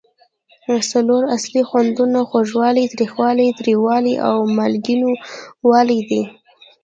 څلور اصلي خوندونه خوږوالی، تریخوالی، تریوالی او مالګینو والی دي.